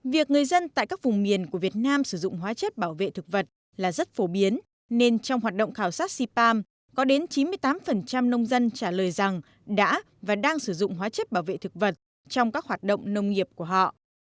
việc người dân tại các vùng miền của việt nam sử dụng hóa chất bảo vệ thực vật là rất phổ biến nên trong hoạt động khảo sát sipam có đến chín mươi tám nông dân trả lời rằng đã và đang sử dụng hóa chất bảo vệ thực vật trong các hoạt động nông nghiệp của họ